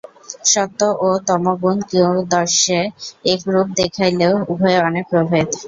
সত্ত্ব ও তমোগুণ কিয়দংশে একরূপ দেখাইলেও উভয়ে অনেক প্রভেদ।